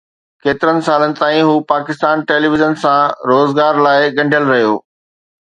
ڪيترن سالن تائين هو پاڪستان ٽيليويزن سان روزگار لاءِ ڳنڍيل رهيو